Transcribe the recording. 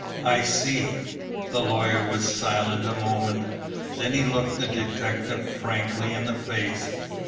"I see!" The lawyer was silent a moment. Then he looked the detective frankly in the face.